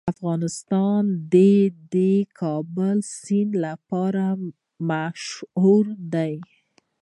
افغانستان د د کابل سیند لپاره مشهور دی.